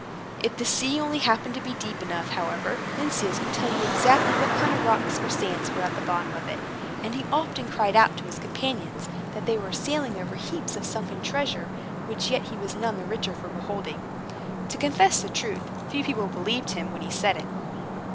If the sea only happened to be deep enough, however, Lynceus could tell you exactly what kind of rocks or sands were at the bottom of it; and he often cried out to his companions, that they were sailing over heaps of sunken treasure, which yet he was none the richer for beholding. To confess the truth, few people believed him when he said it.